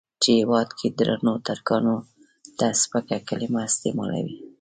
چې هېواد کې درنو ترکانو ته سپکه کليمه استعمالوي.